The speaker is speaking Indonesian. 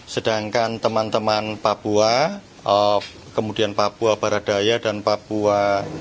sedangkan teman teman papua kemudian papua barat daya dan papua